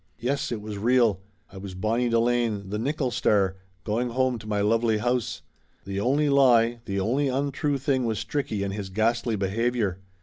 Yes, it was real ! I was Bonnie Delane, the Nickolls star, going home to my lovely house. The 236 Laughter Limited only lie, the only untrue thing was Stricky and his ghastly behavior.